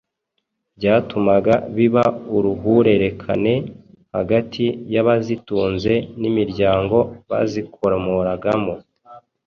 byatumaga biba uruhurerekane hagati y'abazitunze n'imiryango bazikomoragamo.